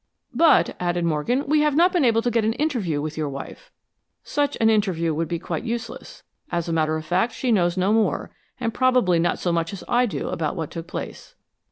"But," added Morgan, "we have not been able to get an interview with your wife." "Such an interview would be quite useless. As a matter of fact, she knows no more, and probably not so much as I do about what took place."